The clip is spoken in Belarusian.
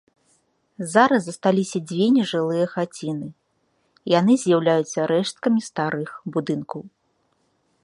Зараз засталіся дзве нежылыя хаціны, яны з'яўляюцца рэшткамі старых будынкаў.